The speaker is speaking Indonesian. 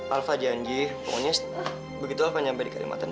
alva janji pokoknya begitu alva sampai di kalimantan